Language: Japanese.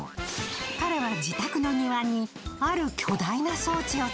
彼は自宅の庭にある巨大な装置を作った。